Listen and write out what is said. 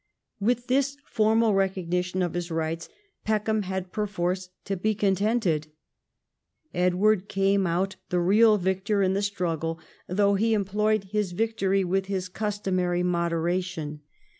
With this formal recognition of his rights Peckham had perforce to be contented. Edward came out the real victor in the struggle, though he employed his victory with his customary moderation.